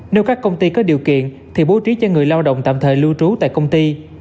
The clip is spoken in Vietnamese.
nếu các công ty có điều kiện thì bố trí cho người lao động tạm thời lưu trú tại công ty